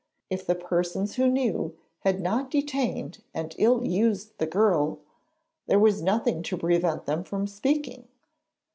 If the persons who knew had not detained and ill used the girl, there was nothing to prevent them from speaking.